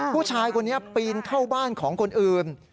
ผู้ชายคนนี้ปีนเข้าบ้านของคนอื่น